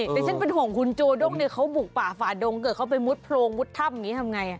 แต่ฉันเป็นห่วงคุณโจด้งเนี่ยเขาบุกป่าฝ่าดงเกิดเขาไปมุดโพรงมุดถ้ำอย่างนี้ทำไง